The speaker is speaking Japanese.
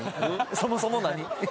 そもそも何？